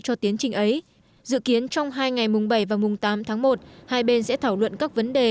cho tiến trình ấy dự kiến trong hai ngày mùng bảy và mùng tám tháng một hai bên sẽ thảo luận các vấn đề